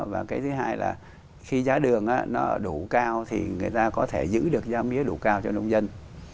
và cái thứ hai là khi giá đường nó đủ cao thì người ta có thể giữ được giá mía đủ cao cho nông dân